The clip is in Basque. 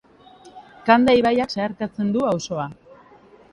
Kanda ibaiak zeharkatzen du auzoa.